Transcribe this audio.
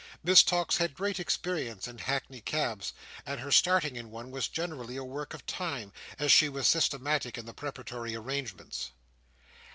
Miss Tox had great experience in hackney cabs, and her starting in one was generally a work of time, as she was systematic in the preparatory arrangements.